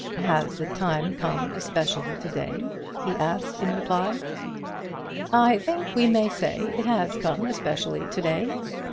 "Has the time come especially to day?" he asked in reply. "I think we may say it has come especially to day.